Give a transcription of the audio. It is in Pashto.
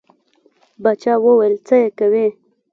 باچا ویل څه یې کوې.